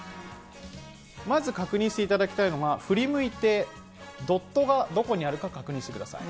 まず確認していただきたいのが、振り向いてドットがどこにあるか確認してください。